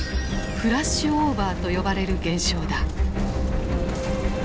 フラッシュオーバーと呼ばれる現象だ。